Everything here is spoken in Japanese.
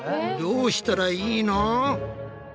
どうしたらいいの？